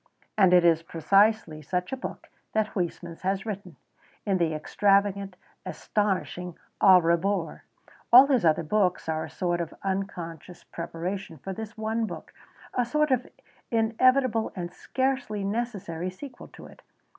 And it is precisely such a book that Huysmans has written, in the extravagant, astonishing A Rebours. All his other books are a sort of unconscious preparation for this one book, a sort of inevitable and scarcely necessary sequel to it.